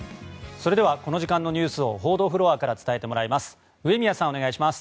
それではこの時間のニュースを報道フロアから伝えてもらいます上宮さん、お願いします。